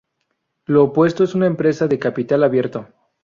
Lo opuesto es una empresa de capital abierto.